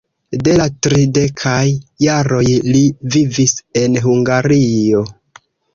De la tridekaj jaroj li vivis en Hungario.